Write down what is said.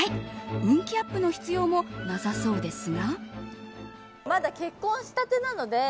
運気アップの必要もなさそうですが。